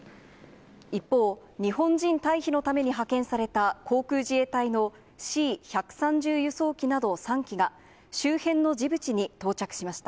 一方、日本人退避のために派遣された航空自衛隊のＣ１３０輸送機など３機が、周辺のジブチに到着しました。